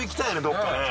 どっかね。